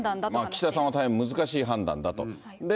岸田さんは大変難しい判断だと。